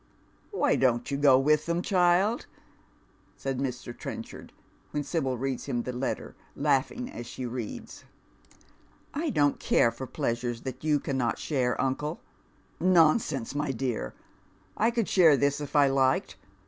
" Why don't you go with them, child ?" asks Mr. Trenchard, when Sibyl reads him the letter, laughing as she reads. " I don't care for pleasures that you cannot share, uncle." *' Nonsense, my dear I I could share this if I liked.